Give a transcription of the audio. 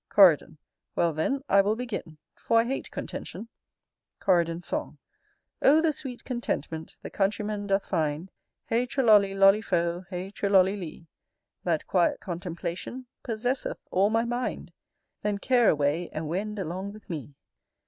Coridon. Well, then, I will begin, for I hate contention Coridon's song. Oh the sweet contentment The countryman doth find! Heigh trolollie lollie foe, Heigh trolollie lee. That quiet contemplation Possesseth all my mind: Then care away And wend along with me.